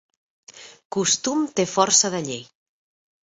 Costum té força de llei.